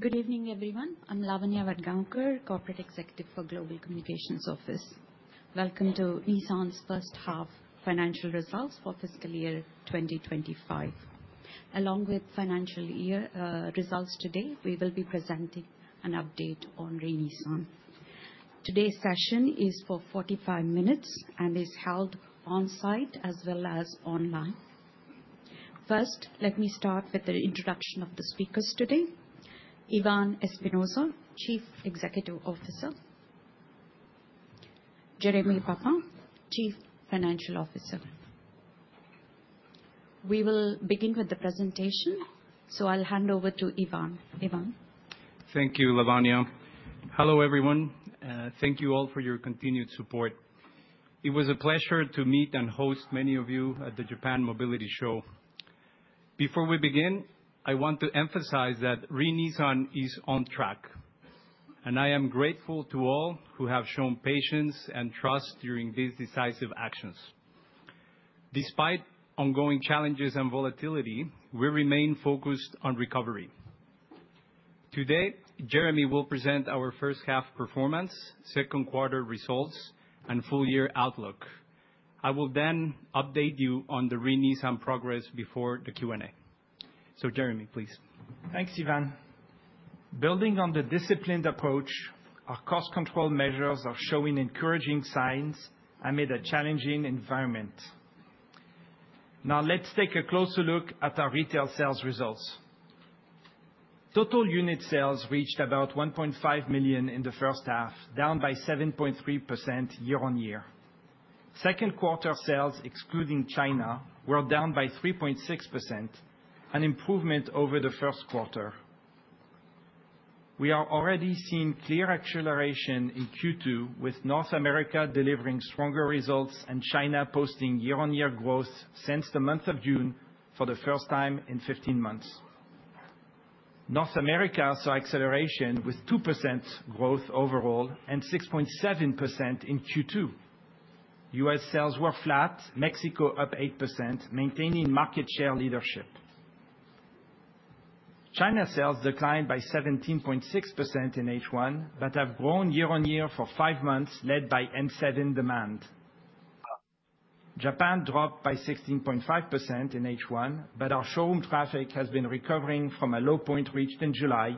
Good evening, everyone. I'm Lavanya Wadgaonkar, Corporate Executive for Global Communications Office. Welcome to Nissan's first half financial results for fiscal year 2025. Along with financial results today, we will be presenting an update on Ray Nissan. Today's session is for 45 minutes and is held on-site as well as online. First, let me start with the introduction of the speakers today: Ivan Espinosa, Chief Executive Officer, Jérémie Papin, Chief Financial Officer. We will begin with the presentation, so I'll hand over to Ivan. Ivan. Thank you, Lavanya. Hello, everyone. Thank you all for your continued support. It was a pleasure to meet and host many of you at the Japan Mobility Show. Before we begin, I want to emphasize that Re-Nissan is on track, and I am grateful to all who have shown patience and trust during these decisive actions. Despite ongoing challenges and volatility, we remain focused on recovery. Today, Jérémie will present our first half performance, second quarter results, and full-year outlook. I will then update you on the Re-Nissan progress before the Q&A. So, Jérémie, please. Thanks, Ivan. Building on the disciplined approach, our cost control measures are showing encouraging signs amid a challenging environment. Now, let's take a closer look at our retail sales results. Total unit sales reached about 1.5 million in the first half, down by 7.3% year-on-year. Second quarter sales, excluding China, were down by 3.6%, an improvement over the first quarter. We are already seeing clear acceleration in Q2, with North America delivering stronger results and China posting year-on-year growth since the month of June for the first time in 15 months. North America saw acceleration with 2% growth overall and 6.7% in Q2. U.S. sales were flat, Mexico up 8%, maintaining market share leadership. China sales declined by 17.6% in H1 but have grown year-on-year for five months, led by N7 demand. Japan dropped by 16.5% in H1, but our showroom traffic has been recovering from a low point reached in July,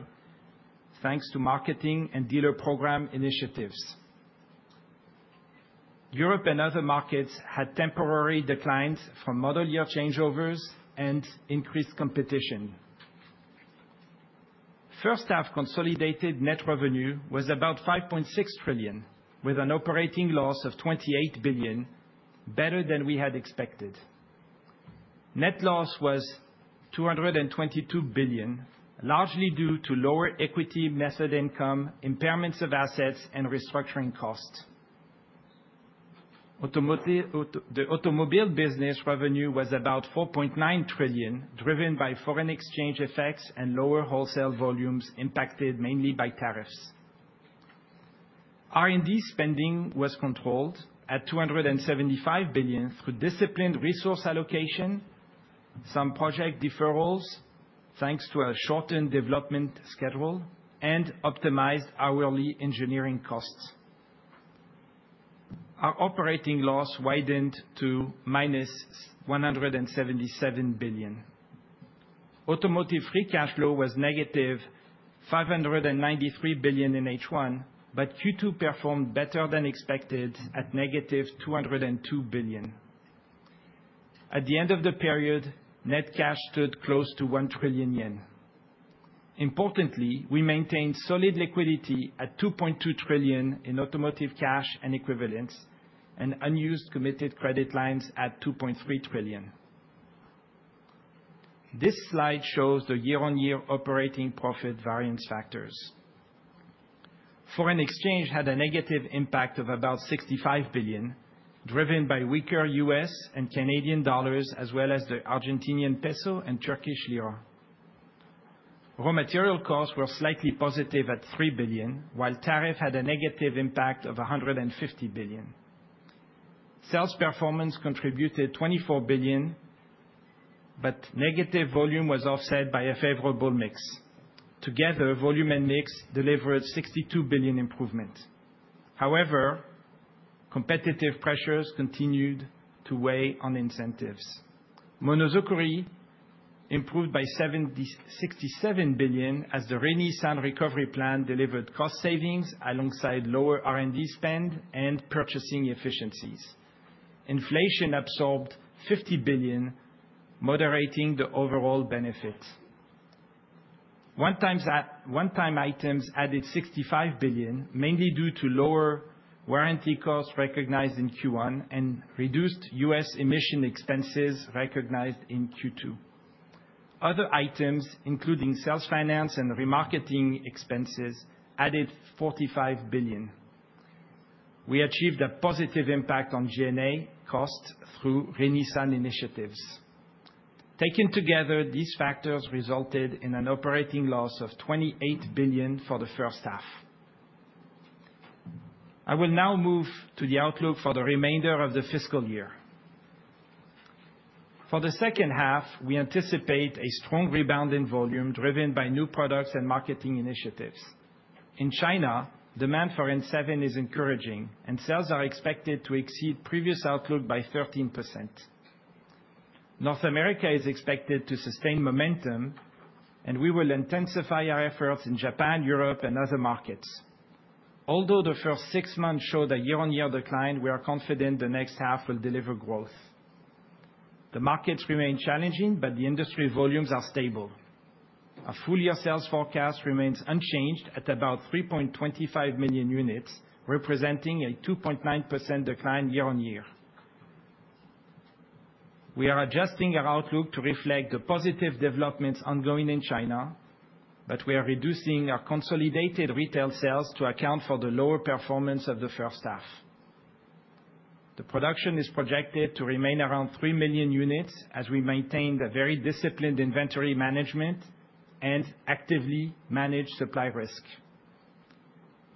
thanks to marketing and dealer program initiatives. Europe and other markets had temporary declines from model year changeovers and increased competition. First-half consolidated net revenue was about 5.6 trillion, with an operating loss of 28 billion, better than we had expected. Net loss was 222 billion, largely due to lower equity method income, impairments of assets, and restructuring costs. The automobile business revenue was about 4.9 trillion, driven by foreign exchange effects and lower wholesale volumes impacted mainly by tariffs. R&D spending was controlled at 275 billion through disciplined resource allocation, some project deferrals thanks to a shortened development schedule, and optimized hourly engineering costs. Our operating loss widened to minus 177 billion. Automotive free cash flow was negative 593 billion in H1, but Q2 performed better than expected at negative 202 billion. At the end of the period, net cash stood close to 1 trillion yen. Importantly, we maintained solid liquidity at 2.2 trillion in automotive cash and equivalents, and unused committed credit lines at 2.3 trillion. This slide shows the year-on-year operating profit variance factors. Foreign exchange had a negative impact of about 65 billion, driven by weaker U.S. and Canadian dollars, as well as the Argentinian peso and Turkish lira. Raw material costs were slightly positive at 3 billion, while tariffs had a negative impact of 150 billion. Sales performance contributed 24 billion, but negative volume was offset by a favorable mix. Together, volume and mix delivered a 62 billion improvement. However, competitive pressures continued to weigh on incentives. Monozukuri improved by 67 billion as the Re-Nissan recovery plan delivered cost savings alongside lower R&D spend and purchasing efficiencies. Inflation absorbed 50 billion, moderating the overall benefits. One-time items added 65 billion, mainly due to lower warranty costs recognized in Q1 and reduced U.S. emission expenses recognized in Q2. Other items, including sales finance and remarketing expenses, added 45 billion. We achieved a positive impact on G&A costs through Re-Nissan initiatives. Taken together, these factors resulted in an operating loss of 28 billion for the first half. I will now move to the outlook for the remainder of the fiscal year. For the second half, we anticipate a strong rebound in volume driven by new products and marketing initiatives. In China, demand for M7 is encouraging, and sales are expected to exceed previous outlook by 13%. North America is expected to sustain momentum, and we will intensify our efforts in Japan, Europe, and other markets. Although the first six months showed a year-on-year decline, we are confident the next half will deliver growth. The markets remain challenging, but the industry volumes are stable. Our full-year sales forecast remains unchanged at about 3.25 million units, representing a 2.9% decline year-on-year. We are adjusting our outlook to reflect the positive developments ongoing in China, but we are reducing our consolidated retail sales to account for the lower performance of the first half. The production is projected to remain around 3 million units as we maintain a very disciplined inventory management and actively manage supply risk.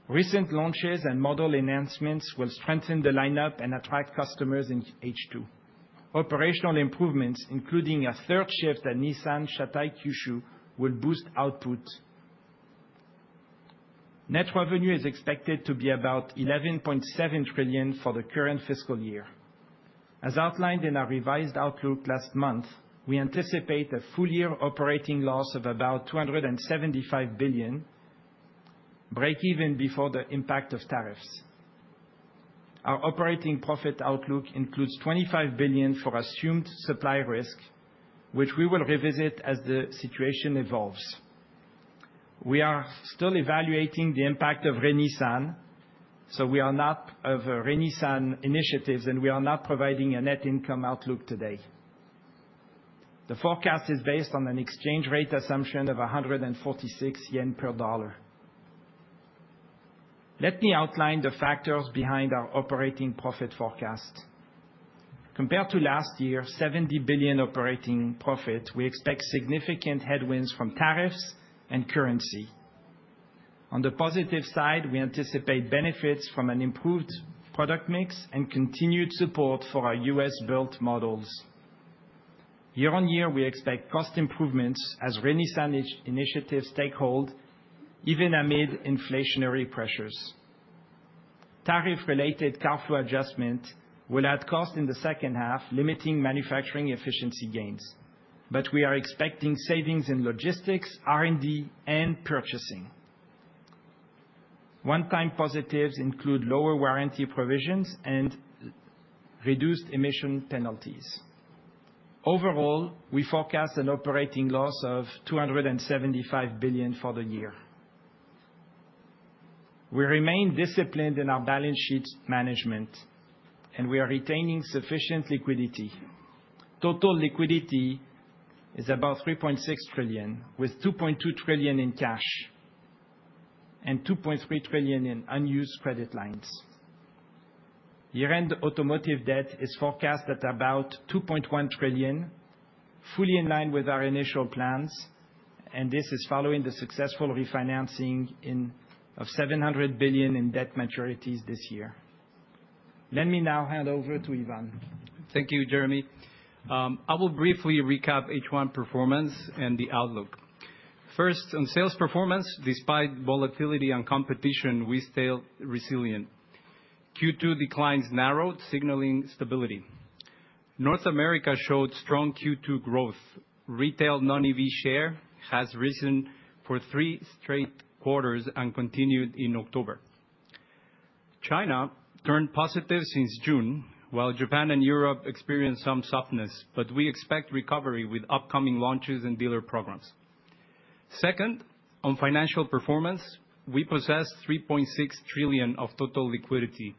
Recent launches and model enhancements will strengthen the lineup and attract customers in H2. Operational improvements, including a third shift at Nissan Shatai Kyushu, will boost output. Net revenue is expected to be about 11.7 trillion for the current fiscal year. As outlined in our revised outlook last month, we anticipate a full-year operating loss of about 275 billion, break-even before the impact of tariffs. Our operating profit outlook includes 25 billion for assumed supply risk, which we will revisit as the situation evolves. We are still evaluating the impact of restructuring, so we are not including restructuring initiatives, and we are not providing a net income outlook today. The forecast is based on an exchange rate assumption of 146 yen per dollar. Let me outline the factors behind our operating profit forecast. Compared to last year's 70 billion operating profit, we expect significant headwinds from tariffs and currency. On the positive side, we anticipate benefits from an improved product mix and continued support for our U.S.-built models. Year-on-year, we expect cost improvements as RenNISAN initiatives take hold, even amid inflationary pressures. Tariff-related careful adjustment will add cost in the second half, limiting manufacturing efficiency gains, but we are expecting savings in logistics, R&D, and purchasing. One-time positives include lower warranty provisions and reduced emission penalties. Overall, we forecast an operating loss of 275 billion for the year. We remain disciplined in our balance sheet management, and we are retaining sufficient liquidity. Total liquidity is about 3.6 trillion, with 2.2 trillion in cash and 2.3 trillion in unused credit lines. Year-end automotive debt is forecast at about 2.1 trillion, fully in line with our initial plans, and this is following the successful refinancing of 700 billion in debt maturities this year. Let me now hand over to Ivan. Thank you, Jeremy. I will briefly recap H1 performance and the outlook. First, on sales performance, despite volatility and competition, we stayed resilient. Q2 declines narrowed, signaling stability. North America showed strong Q2 growth. Retail non-EV share has risen for three straight quarters and continued in October. China turned positive since June, while Japan and Europe experienced some softness, but we expect recovery with upcoming launches and dealer programs. Second, on financial performance, we possess 3.6 trillion of total liquidity.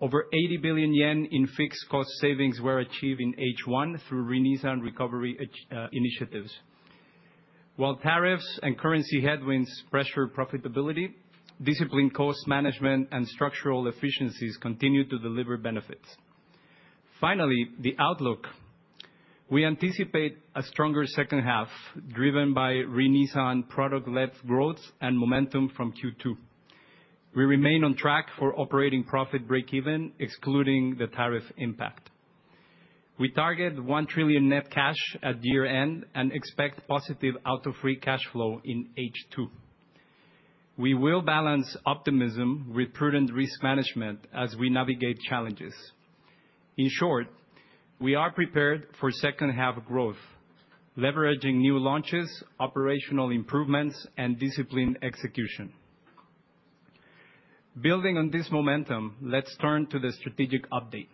Over 80 billion yen in fixed cost savings were achieved in H1 through Re-Nissan recovery initiatives. While tariffs and currency headwinds pressure profitability, disciplined cost management and structural efficiencies continue to deliver benefits. Finally, the outlook. We anticipate a stronger second half driven by Re-Nissan product-led growth and momentum from Q2. We remain on track for operating profit break-even, excluding the tariff impact. We target one trillion net cash at year-end and expect positive auto free cash flow in H2. We will balance optimism with prudent risk management as we navigate challenges. In short, we are prepared for second-half growth, leveraging new launches, operational improvements, and disciplined execution. Building on this momentum, let's turn to the strategic update.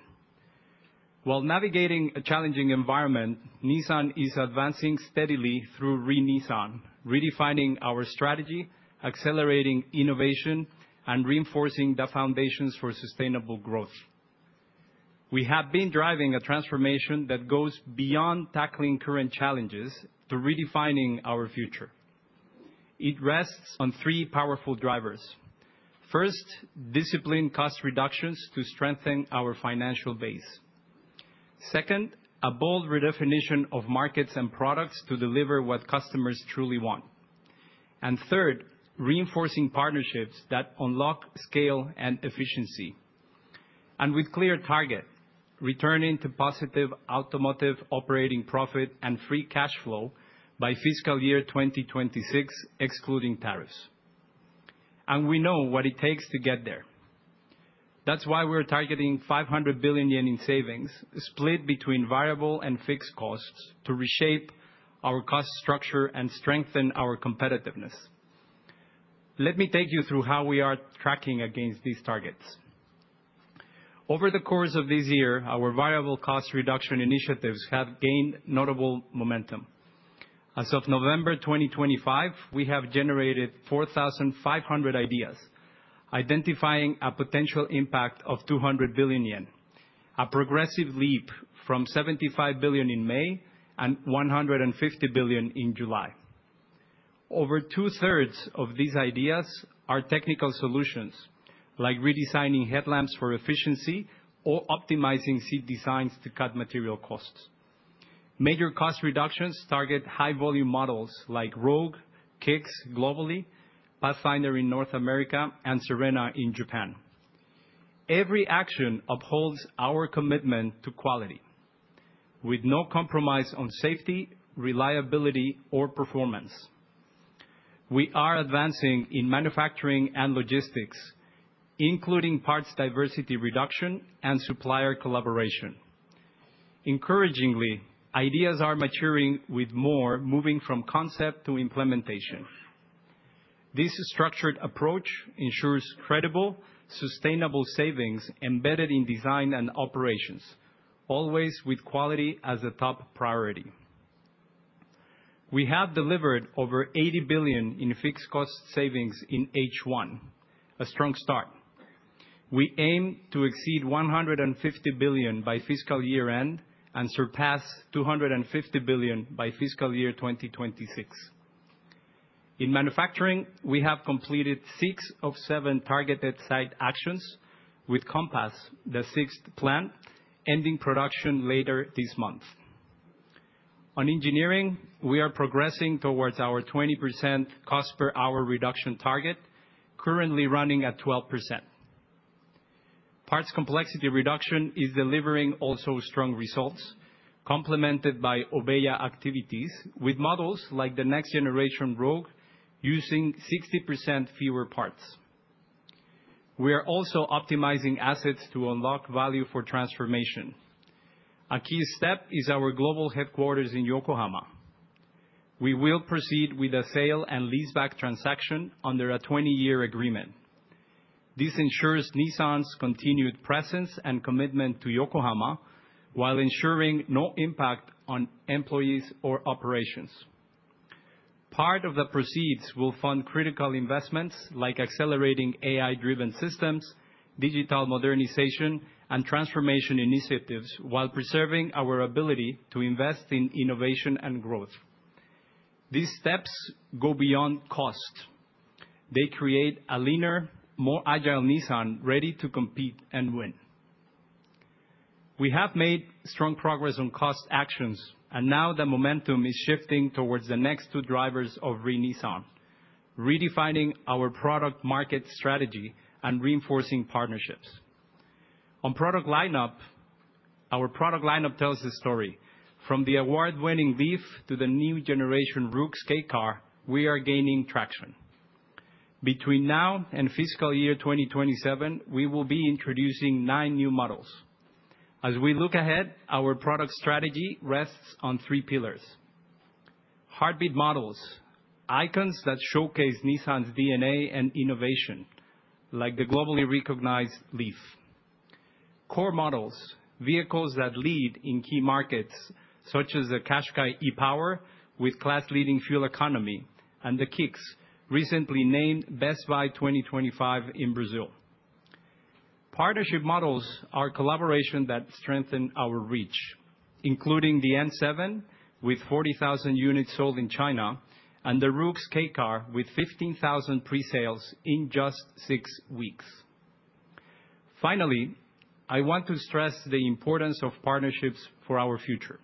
While navigating a challenging environment, Nissan is advancing steadily through Ray Nissan, redefining our strategy, accelerating innovation, and reinforcing the foundations for sustainable growth. We have been driving a transformation that goes beyond tackling current challenges to redefining our future. It rests on three powerful drivers. First, disciplined cost reductions to strengthen our financial base. Second, a bold redefinition of markets and products to deliver what customers truly want, and third, reinforcing partnerships that unlock scale and efficiency. With clear target, returning to positive automotive operating profit and free cash flow by fiscal year 2026, excluding tariffs. We know what it takes to get there. That's why we're targeting 500 billion yen in savings, split between variable and fixed costs, to reshape our cost structure and strengthen our competitiveness. Let me take you through how we are tracking against these targets. Over the course of this year, our variable cost reduction initiatives have gained notable momentum. As of November 2025, we have generated 4,500 ideas, identifying a potential impact of 200 billion yen, a progressive leap from 75 billion in May and 150 billion in July. Over two-thirds of these ideas are technical solutions, like redesigning headlamps for efficiency or optimizing seat designs to cut material costs. Major cost reductions target high-volume models like Rogue, Kicks globally, Pathfinder in North America, and Serena in Japan. Every action upholds our commitment to quality, with no compromise on safety, reliability, or performance. We are advancing in manufacturing and logistics, including parts diversity reduction and supplier collaboration. Encouragingly, ideas are maturing with more moving from concept to implementation. This structured approach ensures credible, sustainable savings embedded in design and operations, always with quality as a top priority. We have delivered over 80 billion in fixed cost savings in H1, a strong start. We aim to exceed 150 billion by fiscal year-end and surpass 250 billion by fiscal year 2026. In manufacturing, we have completed six of seven targeted site actions with COMPAS, the sixth plan, ending production later this month. On engineering, we are progressing towards our 20% cost per hour reduction target, currently running at 12%. Parts complexity reduction is delivering also strong results, complemented by Obeya activities with models like the next generation Rogue, using 60% fewer parts. We are also optimizing assets to unlock value for transformation. A key step is our global headquarters in Yokohama. We will proceed with a sale and lease-back transaction under a 20-year agreement. This ensures Nissan's continued presence and commitment to Yokohama while ensuring no impact on employees or operations. Part of the proceeds will fund critical investments like accelerating AI-driven systems, digital modernization, and transformation initiatives while preserving our ability to invest in innovation and growth. These steps go beyond cost. They create a leaner, more agile Nissan ready to compete and win. We have made strong progress on cost actions, and now the momentum is shifting towards the next two drivers of Re-Nissan, redefining our product-market strategy and reinforcing partnerships. On product lineup, our product lineup tells a story. From the award-winning Leaf to the new generation Roox Kei Car, we are gaining traction. Between now and fiscal year 2027, we will be introducing nine new models. As we look ahead, our product strategy rests on three pillars: Heartbeat models, icons that showcase Nissan's DNA and innovation, like the globally recognized Leaf, Core models, vehicles that lead in key markets such as the Qashqai e-Power with class-leading fuel economy, and the Kicks, recently named Best Buy 2025 in Brazil. Partnership models are collaboration that strengthen our reach, including the N7 with 40,000 units sold in China and the Rogue skate car with 15,000 pre-sales in just six weeks. Finally, I want to stress the importance of partnerships for our future.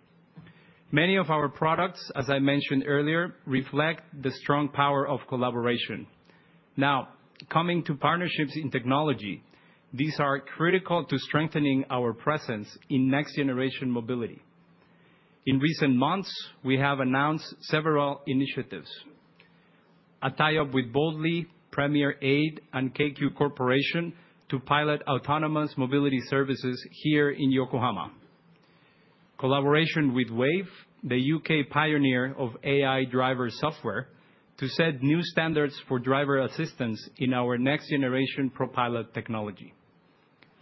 Many of our products, as I mentioned earlier, reflect the strong power of collaboration. Now, coming to partnerships in technology, these are critical to strengthening our presence in next-generation mobility. In recent months, we have announced several initiatives: a tie-up with Boldly, Premier Aid, and Keikyu Corporation to pilot autonomous mobility services here in Yokohama, collaboration with Wayve, the U.K. pioneer of AI driver software, to set new standards for driver assistance in our next-generation propulsion technology,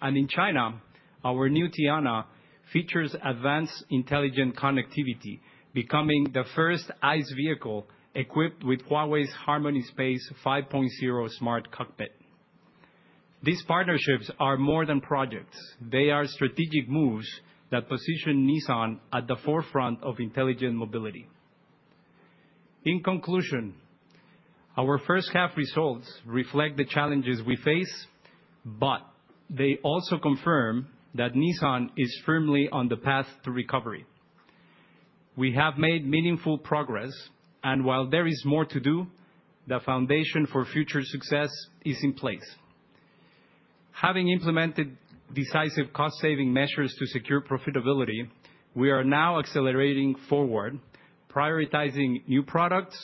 and in China, our new Tianlai features advanced intelligent connectivity, becoming the first ICE vehicle equipped with Huawei's HarmonyOS 5.0 smart cockpit. These partnerships are more than projects. They are strategic moves that position Nissan at the forefront of intelligent mobility. In conclusion, our first-half results reflect the challenges we face, but they also confirm that Nissan is firmly on the path to recovery. We have made meaningful progress, and while there is more to do, the foundation for future success is in place. Having implemented decisive cost-saving measures to secure profitability, we are now accelerating forward, prioritizing new products,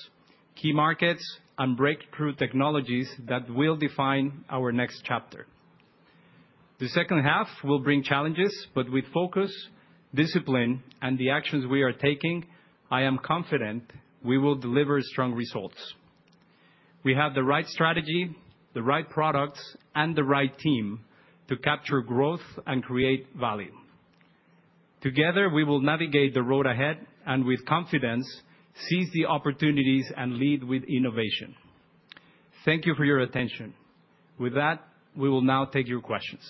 key markets, and breakthrough technologies that will define our next chapter. The second half will bring challenges, but with focus, discipline, and the actions we are taking, I am confident we will deliver strong results. We have the right strategy, the right products, and the right team to capture growth and create value. Together, we will navigate the road ahead and, with confidence, seize the opportunities and lead with innovation. Thank you for your attention. With that, we will now take your questions.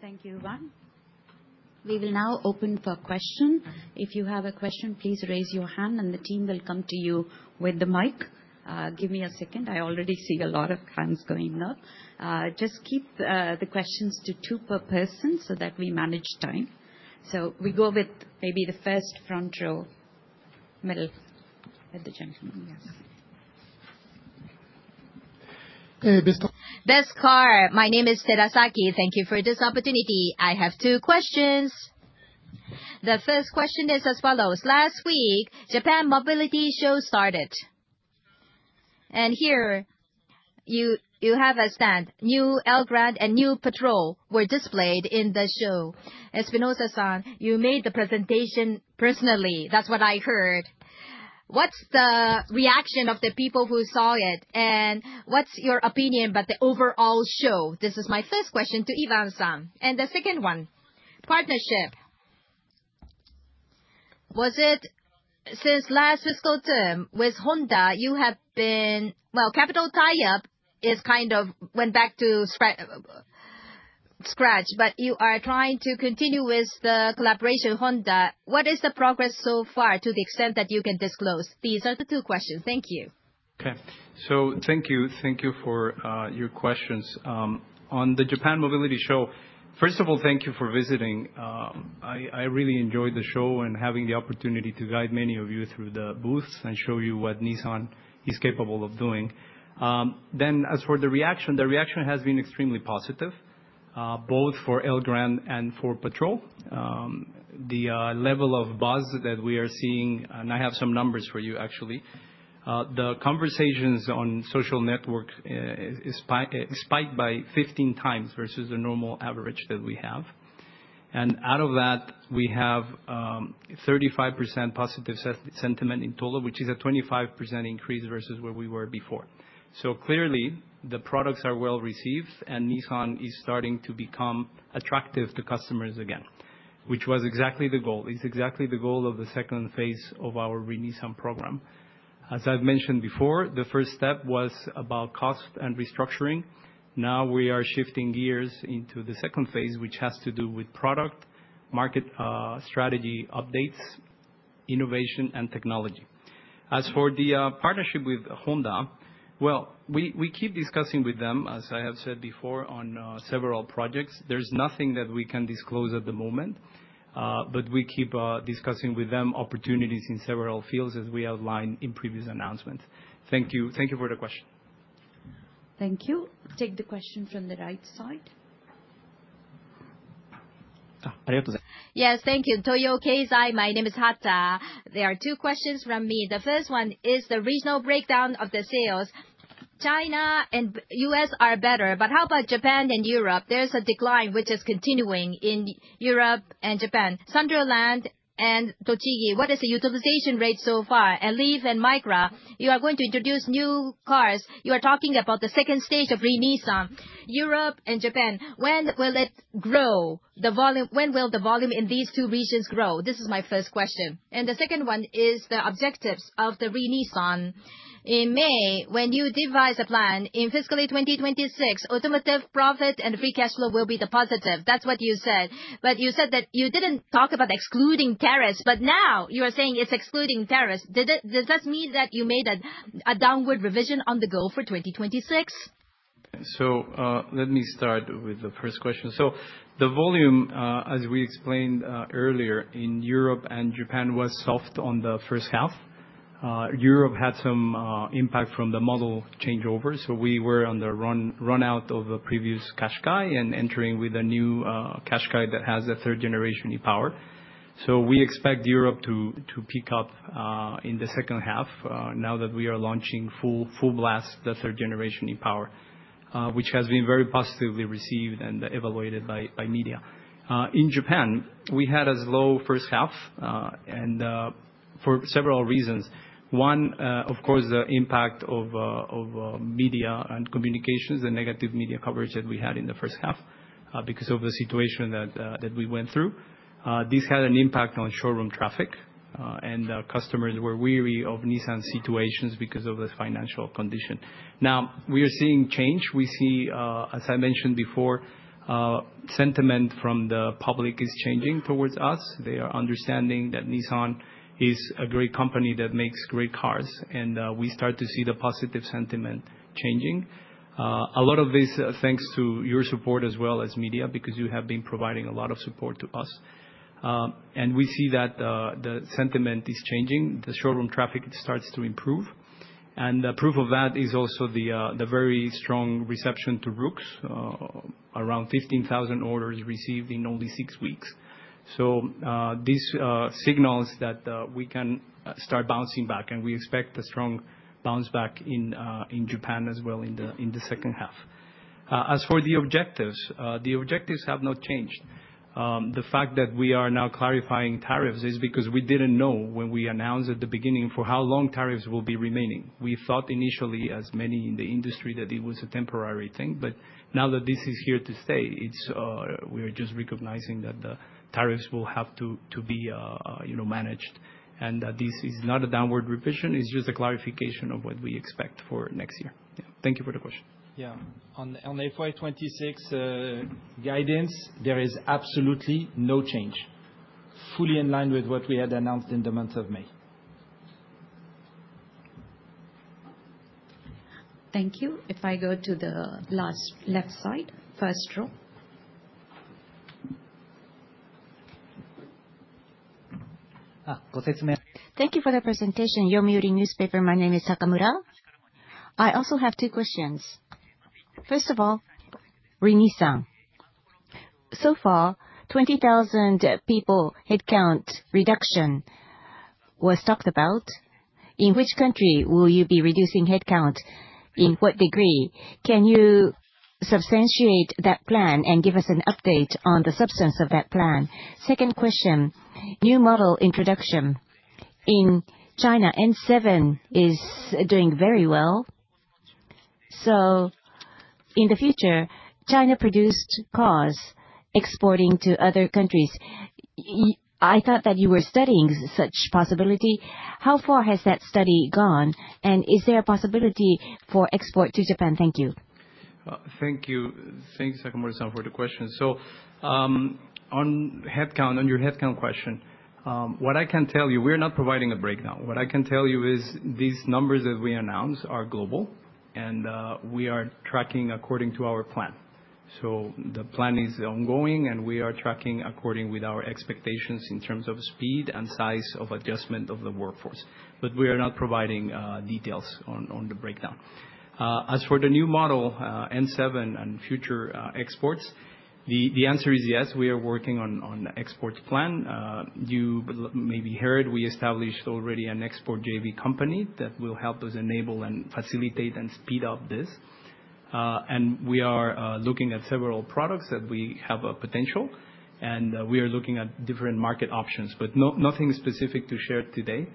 Thank you, Ivan. We will now open for questions. If you have a question, please raise your hand, and the team will come to you with the mic. Give me a second. I already see a lot of hands going up. Just keep the questions to two per person so that we manage time. So we go with maybe the first front row, middle, with the gentleman. Yes. Hey, Mr. Best Car. My name is Terasaki. Thank you for this opportunity. I have two questions. The first question is as follows: Last week, Japan Mobility Show started, and here, you have a stand. New Elgrand and new Patrol were displayed in the show. Espinosa-san, you made the presentation personally. That's what I heard. What's the reaction of the people who saw it, and what's your opinion about the overall show? This is my first question to Ivan-san, and the second one, partnership. Was it since last fiscal term with Honda, you have been, well, capital tie-up is kind of went back to scratch, but you are trying to continue with the collaboration with Honda. What is the progress so far to the extent that you can disclose? These are the two questions. Thank you. Okay. So thank you. Thank you for your questions. On the Japan Mobility Show, first of all, thank you for visiting. I really enjoyed the show and having the opportunity to guide many of you through the booths and show you what Nissan is capable of doing. Then, as for the reaction, the reaction has been extremely positive, both for Elgrand and for Patrol. The level of buzz that we are seeing, and I have some numbers for you, actually, the conversations on social network spiked by 15 times versus the normal average that we have. And out of that, we have 35% positive sentiment in total, which is a 25% increase versus where we were before. So clearly, the products are well received, and Nissan is starting to become attractive to customers again, which was exactly the goal. It's exactly the goal of the second phase of our Arc Nissan program. As I've mentioned before, the first step was about cost and restructuring. Now we are shifting gears into the second phase, which has to do with product, market strategy updates, innovation, and technology. As for the partnership with Honda, well, we keep discussing with them, as I have said before, on several projects. There's nothing that we can disclose at the moment, but we keep discussing with them opportunities in several fields, as we outlined in previous announcements. Thank you. Thank you for the question. Thank you. Take the question from the right side. Yes, thank you. Toyo Keizai, my name is Hatta. There are two questions from me. The first one is the regional breakdown of the sales. China and the US are better, but how about Japan and Europe? There's a decline, which is continuing in Europe and Japan. Sunderland and Tochigi, what is the utilization rate so far? And Leaf and Micra, you are going to introduce new cars. You are talking about the second stage of Re-Nissan. Europe and Japan, when will it grow? When will the volume in these two regions grow? This is my first question. And the second one is the objectives of the Re-Nissan. In May, when you devise a plan in fiscal year 2026, automotive profit and free cash flow will be the positive. That's what you said. But you said that you didn't talk about excluding tariffs, but now you are saying it's excluding tariffs. Does that mean that you made a downward revision on the goal for 2026? Let me start with the first question. The volume, as we explained earlier, in Europe and Japan was soft on the first half. Europe had some impact from the model changeover. We were on the run-out of the previous Qashqai and entering with a new Qashqai that has a third-generation e-Power. We expect Europe to pick up in the second half now that we are launching full blast the third-generation e-Power, which has been very positively received and evaluated by media. In Japan, we had a slow first half for several reasons. One, of course, the impact of media and communications, the negative media coverage that we had in the first half because of the situation that we went through. This had an impact on showroom traffic, and customers were wary of Nissan's situations because of the financial condition. Now, we are seeing change. We see, as I mentioned before, sentiment from the public is changing towards us. They are understanding that Nissan is a great company that makes great cars, and we start to see the positive sentiment changing. A lot of this is thanks to your support as well as media because you have been providing a lot of support to us, and we see that the sentiment is changing. The showroom traffic starts to improve, and proof of that is also the very strong reception to Rogue, around 15,000 orders received in only six weeks, so this signals that we can start bouncing back, and we expect a strong bounce back in Japan as well in the second half. As for the objectives, the objectives have not changed. The fact that we are now clarifying tariffs is because we didn't know when we announced at the beginning for how long tariffs will be remaining. We thought initially, as many in the industry, that it was a temporary thing, but now that this is here to stay, we are just recognizing that the tariffs will have to be managed and that this is not a downward revision. It's just a clarification of what we expect for next year. Thank you for the question. Yeah. On the FY26 guidance, there is absolutely no change, fully in line with what we had announced in the month of May. Thank you. If I go to the last left side, first row. Thank you for the presentation. I am from Yomiuri Newspaper. My name is Takamura. I also have two questions. First of all, regarding Nissan. So far, 20,000 people headcount reduction was talked about. In which country will you be reducing headcount? In what degree? Can you substantiate that plan and give us an update on the substance of that plan? Second question, new model introduction. In China, N7 is doing very well. So in the future, China-produced cars exporting to other countries. I thought that you were studying such possibility. How far has that study gone and is there a possibility for export to Japan? Thank you. Thank you. Thank you, Takamura, for the question. So on your headcount question, what I can tell you, we are not providing a breakdown. What I can tell you is these numbers that we announced are global, and we are tracking according to our plan. So the plan is ongoing, and we are tracking according with our expectations in terms of speed and size of adjustment of the workforce. But we are not providing details on the breakdown. As for the new model, N7 and future exports, the answer is yes. We are working on the export plan. You maybe heard we established already an export JV company that will help us enable and facilitate and speed up this. And we are looking at several products that we have a potential, and we are looking at different market options, but nothing specific to share today.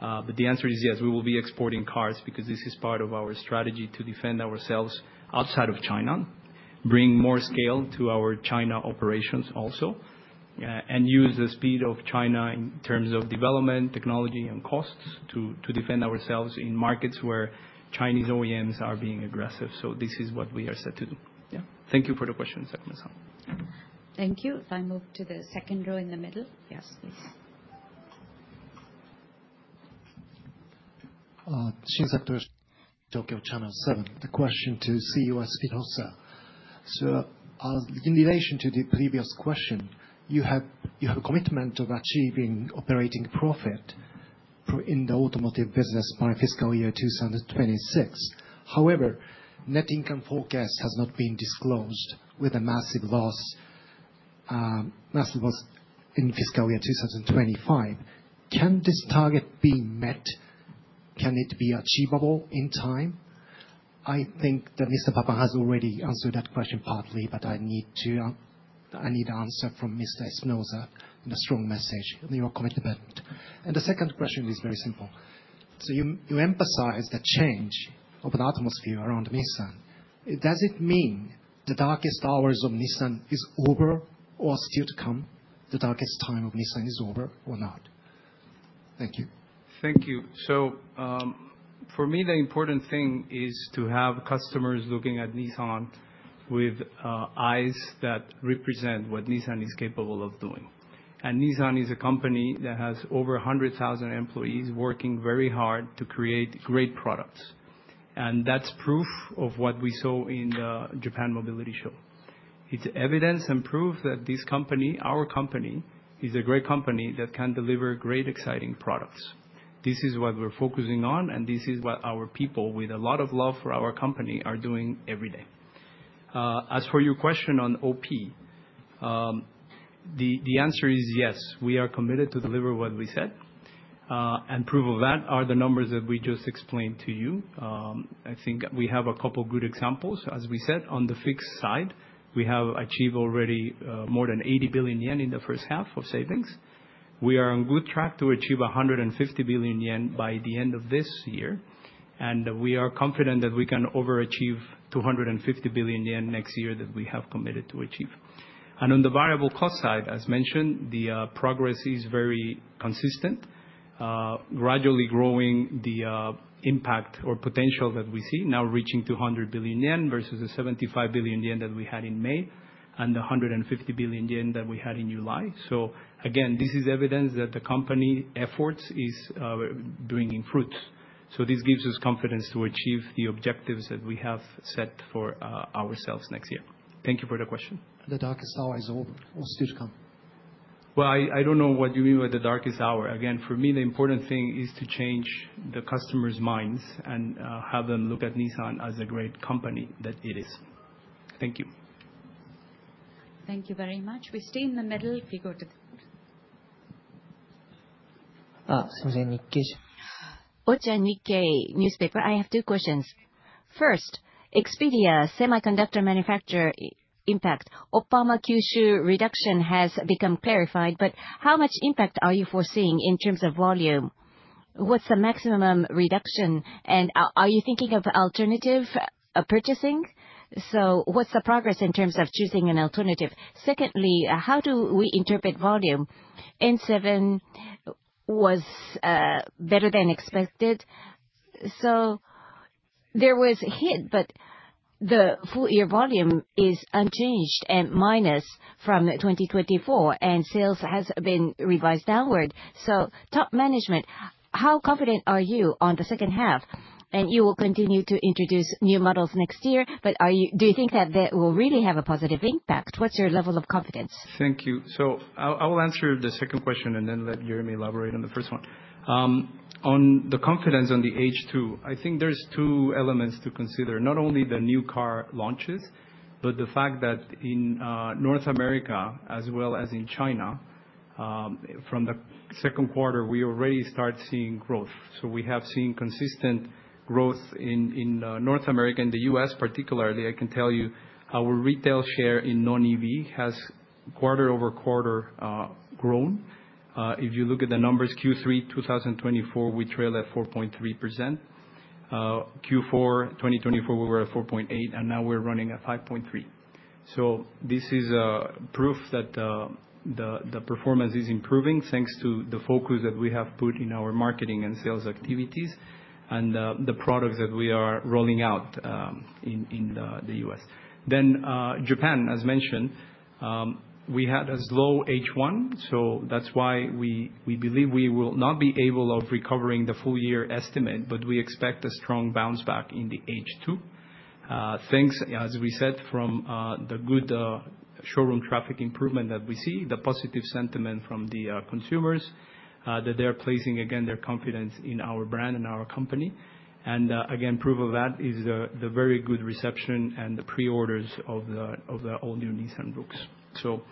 But the answer is yes. We will be exporting cars because this is part of our strategy to defend ourselves outside of China, bring more scale to our China operations also, and use the speed of China in terms of development, technology, and costs to defend ourselves in markets where Chinese OEMs are being aggressive. So this is what we are set to do. Yeah. Thank you for the question, Takamura. Thank you. If I move to the second row in the middle. Yes, please. Shin Sakuroshi, Tokyo Channel 7. The question to CEO Espinosa. So in relation to the previous question, you have a commitment of achieving operating profit in the automotive business by fiscal year 2026. However, net income forecast has not been disclosed with a massive loss in fiscal year 2025. Can this target be met? Can it be achievable in time? I think that Mr. Papin has already answered that question partly, but I need the answer from Mr. Espinosa and a strong message in your commitment. And the second question is very simple. So you emphasize the change of the atmosphere around Nissan. Does it mean the darkest hours of Nissan is over or still to come? The darkest time of Nissan is over or not? Thank you. Thank you. So for me, the important thing is to have customers looking at Nissan with eyes that represent what Nissan is capable of doing. And Nissan is a company that has over 100,000 employees working very hard to create great products. And that's proof of what we saw in the Japan Mobility Show. It's evidence and proof that this company, our company, is a great company that can deliver great, exciting products. This is what we're focusing on, and this is what our people with a lot of love for our company are doing every day. As for your question on OP, the answer is yes. We are committed to deliver what we said. And proof of that are the numbers that we just explained to you. I think we have a couple of good examples. As we said, on the fixed side, we have achieved already more than 80 billion yen in the first half of savings. We are on good track to achieve 150 billion yen by the end of this year, and we are confident that we can overachieve 250 billion yen next year that we have committed to achieve, and on the variable cost side, as mentioned, the progress is very consistent, gradually growing the impact or potential that we see, now reaching 200 billion yen versus the 75 billion yen that we had in May and the 150 billion yen that we had in July, so again, this is evidence that the company's efforts are bringing fruits, so this gives us confidence to achieve the objectives that we have set for ourselves next year. Thank you for the question. The darkest hour is over or still to come? I don't know what you mean by the darkest hour. Again, for me, the important thing is to change the customers' minds and have them look at Nissan as a great company that it is. Thank you. Thank you very much. We stay in the middle. If you go to the front. Nikkei Newspaper, I have two questions. First, the semiconductor manufacturer impact. The volume reduction has become clarified, but how much impact are you foreseeing in terms of volume? What's the maximum reduction? And are you thinking of alternative purchasing? So what's the progress in terms of choosing an alternative? Secondly, how do we interpret volume? The yen was better than expected. So there was a hit, but the full-year volume is unchanged and minus for 2024, and sales have been revised downward. So top management, how confident are you on the second half? And you will continue to introduce new models next year, but do you think that that will really have a positive impact? What's your level of confidence? Thank you. So I will answer the second question and then let Jeremy elaborate on the first one. On the confidence on the H2, I think there's two elements to consider. Not only the new car launches, but the fact that in North America, as well as in China, from the second quarter, we already start seeing growth. So we have seen consistent growth in North America and the U.S., particularly. I can tell you our retail share in non-EV has quarter over quarter grown. If you look at the numbers, Q3 2024, we trailed at 4.3%. Q4 2024, we were at 4.8%, and now we're running at 5.3%. So this is proof that the performance is improving thanks to the focus that we have put in our marketing and sales activities and the products that we are rolling out in the U.S. Then Japan, as mentioned, we had a slow H1, so that's why we believe we will not be able to recover the full-year estimate, but we expect a strong bounce back in the H2. Thanks, as we said, from the good showroom traffic improvement that we see, the positive sentiment from the consumers that they're placing again their confidence in our brand and our company. And again, proof of that is the very good reception and the pre-orders of the all-new Nissan Rogue. So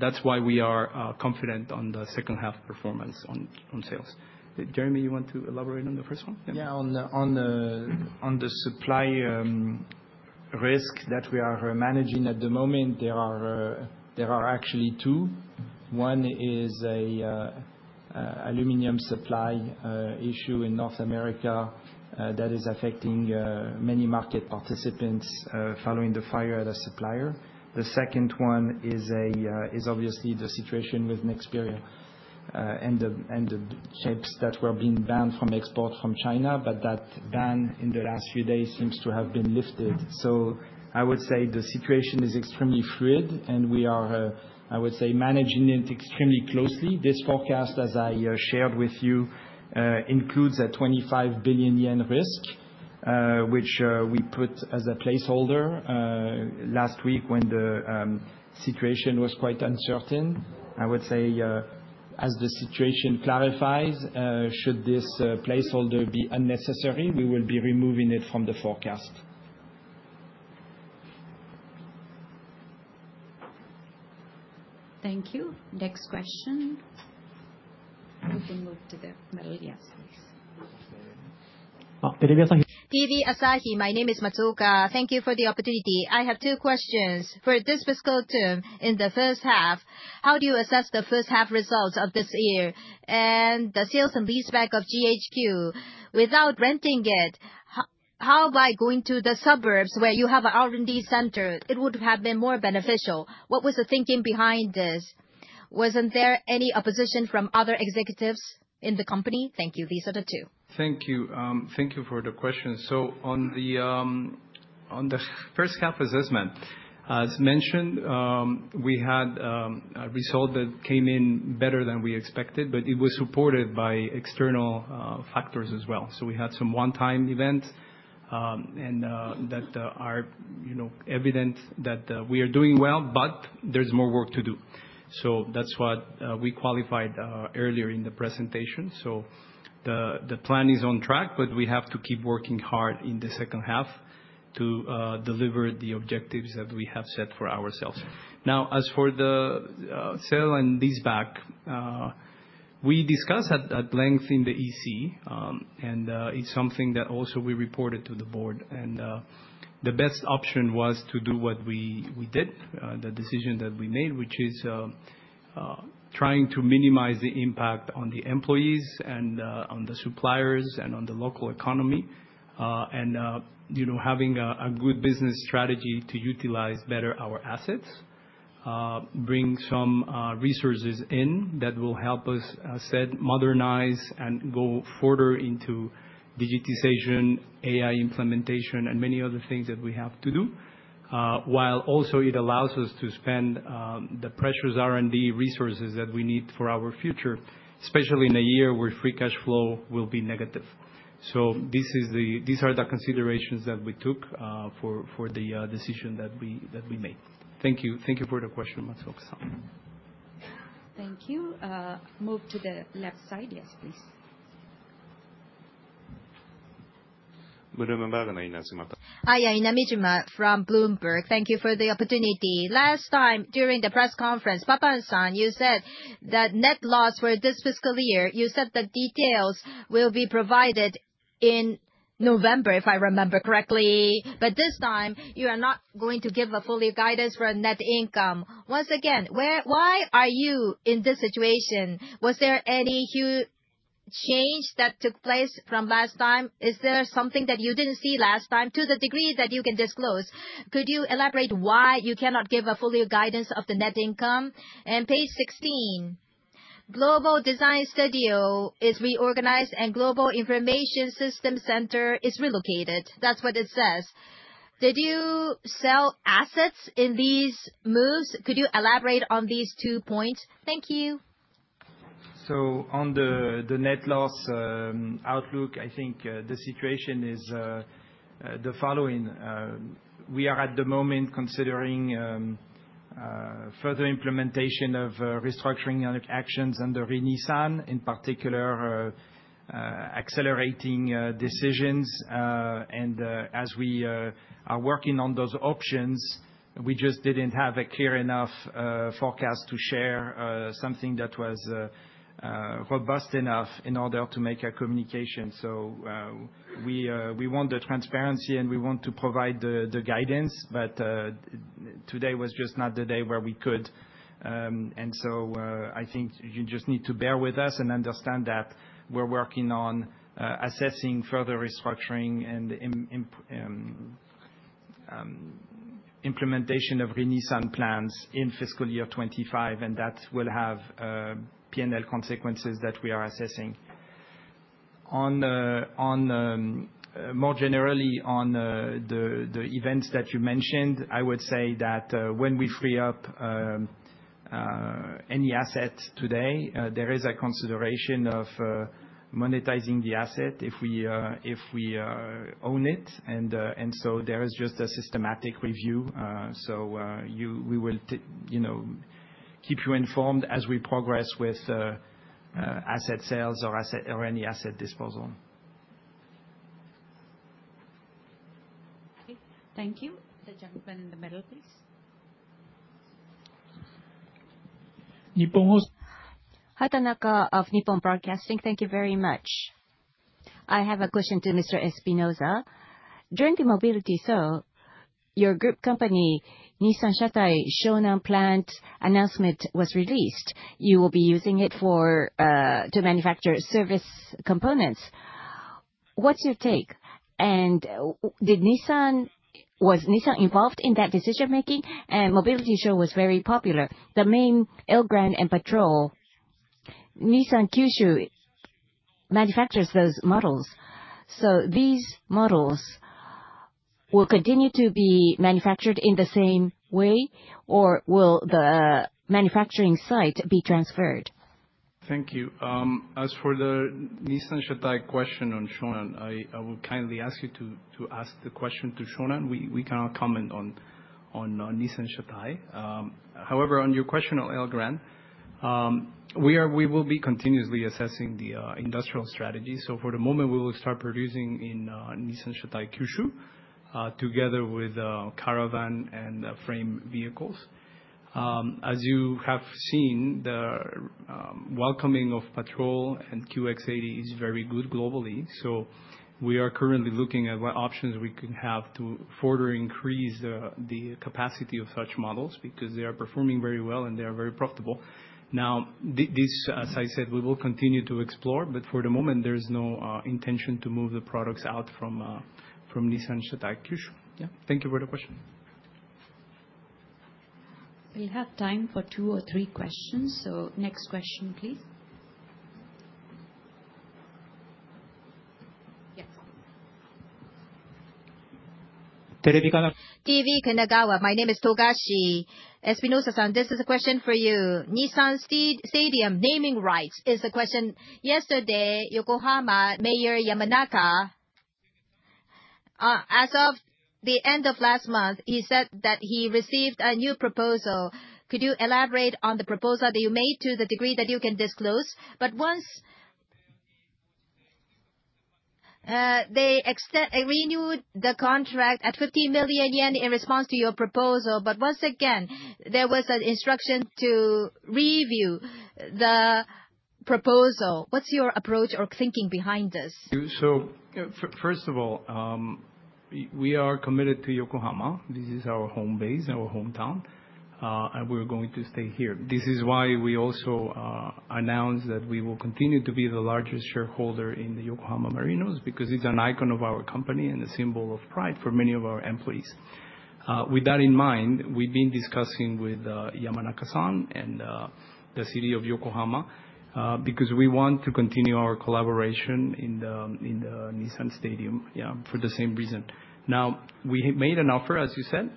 that's why we are confident on the second-half performance on sales. Jeremy, you want to elaborate on the first one? Yeah. On the supply risk that we are managing at the moment, there are actually two. One is an aluminum supply issue in North America that is affecting many market participants following the fire at a supplier. The second one is obviously the situation with Nexperia and the chips that were being banned from export from China, but that ban in the last few days seems to have been lifted. So I would say the situation is extremely fluid, and we are, I would say, managing it extremely closely. This forecast, as I shared with you, includes a 25 billion yen risk, which we put as a placeholder last week when the situation was quite uncertain. I would say, as the situation clarifies, should this placeholder be unnecessary, we will be removing it from the forecast. Thank you. Next question. You can move to the middle. Yes, please. TV Asahi, my name is Matsuka. Thank you for the opportunity. I have two questions. For this fiscal term, in the first half, how do you assess the first-half results of this year? And the sales and leaseback of GHQ, without renting it, how by going to the suburbs where you have an R&D center, it would have been more beneficial? What was the thinking behind this? Wasn't there any opposition from other executives in the company? Thank you. These are the two. Thank you. Thank you for the question. So on the first-half assessment, as mentioned, we had a result that came in better than we expected, but it was supported by external factors as well. So we had some one-time events that are evident that we are doing well, but there's more work to do. So that's what we quantified earlier in the presentation. So the plan is on track, but we have to keep working hard in the second half to deliver the objectives that we have set for ourselves. Now, as for the sale and leaseback, we discussed at length in the EC, and it's something that also we reported to the board. The best option was to do what we did, the decision that we made, which is trying to minimize the impact on the employees and on the suppliers and on the local economy and having a good business strategy to utilize better our assets, bring some resources in that will help us modernize and go further into digitization, AI implementation, and many other things that we have to do, while also it allows us to spend the precious R&D resources that we need for our future, especially in a year where free cash flow will be negative. These are the considerations that we took for the decision that we made. Thank you. Thank you for the question, Matsuka. Thank you. Move to the left side. Yes, please. I am Inajima from Bloomberg. Thank you for the opportunity. Last time during the press conference, Papa and Son, you said that net loss for this fiscal year, you said the details will be provided in November, if I remember correctly. But this time, you are not going to give a full year guidance for net income. Once again, why are you in this situation? Was there any huge change that took place from last time? Is there something that you didn't see last time to the degree that you can disclose? Could you elaborate why you cannot give a full year guidance of the net income? And page 16, Global Design Studio is reorganized and Global Information System Center is relocated. That's what it says. Did you sell assets in these moves? Could you elaborate on these two points? Thank you. So on the net loss outlook, I think the situation is the following. We are, at the moment, considering further implementation of restructuring actions under Renie San, in particular, accelerating decisions. And as we are working on those options, we just didn't have a clear enough forecast to share something that was robust enough in order to make a communication. So we want the transparency, and we want to provide the guidance, but today was just not the day where we could. And so I think you just need to bear with us and understand that we're working on assessing further restructuring and implementation of Renie San plans in fiscal year 2025, and that will have P&L consequences that we are assessing. More generally, on the events that you mentioned, I would say that when we free up any asset today, there is a consideration of monetizing the asset if we own it. And so there is just a systematic review. So we will keep you informed as we progress with asset sales or any asset disposal. Thank you. The gentleman in the middle, please. Hatanaka of Nippon Broadcasting. Thank you very much. I have a question to Mr. Espinosa. During the Mobility Show, your group company, Nissan Shatai Shonan Plant announcement was released. You will be using it to manufacture service components. What's your take? And was Nissan involved in that decision-making? And Mobility Show was very popular. The main Elgrand and Patrol, Nissan Kyushu manufactures those models. So these models will continue to be manufactured in the same way, or will the manufacturing site be transferred? Thank you. As for the Nissan Shatai question on Shonan, I will kindly ask you to ask the question to Shonan. We cannot comment on Nissan Shatai. However, on your question on Elgrand, we will be continuously assessing the industrial strategy. So for the moment, we will start producing in Nissan Shatai Kyushu together with caravan and frame vehicles. As you have seen, the welcoming of Patrol and QX80 is very good globally. So we are currently looking at what options we can have to further increase the capacity of such models because they are performing very well and they are very profitable. Now, this, as I said, we will continue to explore, but for the moment, there's no intention to move the products out from Nissan Shatai Kyushu. Yeah. Thank you for the question. We have time for two or three questions. So next question, please. Yes. TV Kanagawa, my name is Togashi. Espinosa-san, this is a question for you. Nissan Stadium naming rights is the question. Yesterday, Yokohama Mayor Yamanaka, as of the end of last month, he said that he received a new proposal. Could you elaborate on the proposal that you made to the degree that you can disclose? But once they renewed the contract at 50 million yen in response to your proposal, but once again, there was an instruction to review the proposal. What's your approach or thinking behind this? So first of all, we are committed to Yokohama. This is our home base, our hometown, and we're going to stay here. This is why we also announced that we will continue to be the largest shareholder in the Yokohama Marinos because it's an icon of our company and a symbol of pride for many of our employees. With that in mind, we've been discussing with Yamanaka-san and the city of Yokohama because we want to continue our collaboration in the Nissan Stadium for the same reason. Now, we have made an offer, as you said.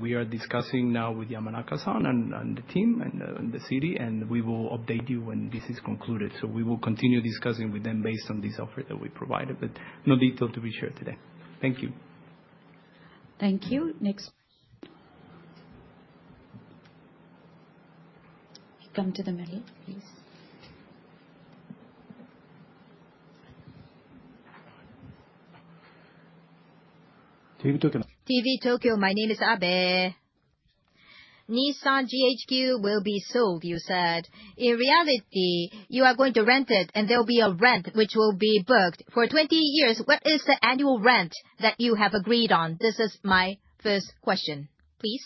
We are discussing now with Yamanaka-san and the team and the city, and we will update you when this is concluded. So we will continue discussing with them based on this offer that we provided, but no detail to be shared today. Thank you. Thank you. Next question. You come to the middle, please. TV Tokyo, my name is Abe. Nissan GHQ will be sold, you said. In reality, you are going to rent it, and there will be a rent which will be booked for 20 years. What is the annual rent that you have agreed on? This is my first question. Please.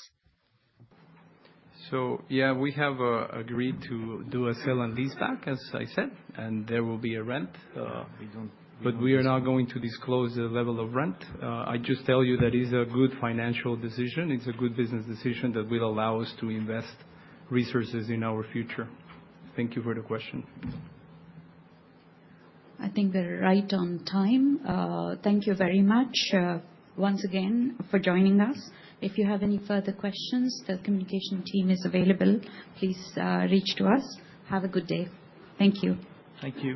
So yeah, we have agreed to do a sale and leaseback, as I said, and there will be a rent. But we are not going to disclose the level of rent. I just tell you that it is a good financial decision. It's a good business decision that will allow us to invest resources in our future. Thank you for the question. I think we're right on time. Thank you very much once again for joining us. If you have any further questions, the communication team is available. Please reach to us. Have a good day. Thank you. Thank you.